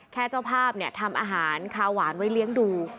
เจ้าภาพทำอาหารคาวหวานไว้เลี้ยงดู